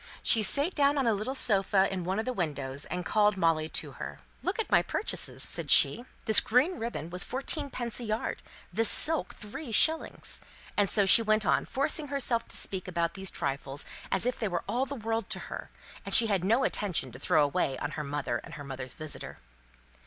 She sate down on a little sofa in one of the windows, and called Molly to her. "Look at my purchases," said she. "This green ribbon was fourteen pence a yard, this silk three shillings," and so she went on, forcing herself to speak about these trifles as if they were all the world to her, and she had no attention to throw away on her mother and her mother's visitor.